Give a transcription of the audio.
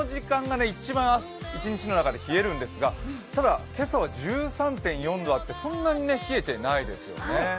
一番、一日の中で冷えるんですがただ今朝は１３．４度あってそんなに冷えてないですよね。